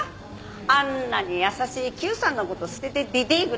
あんなに優しい久さんの事捨てて出ていくなんてね。